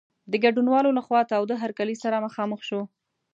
د ګډونوالو له خوا تاوده هرکلی سره مخامخ شو.